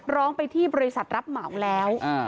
ร้องไปที่บริษัทรับเหมาแล้ว